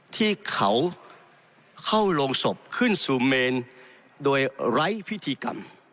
ที่เขาเข้าโรงศพขึ้นสู่เมนโดยไร้พิธีกรรม